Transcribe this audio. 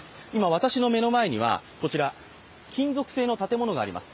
私の目の前には金属製の建物があります。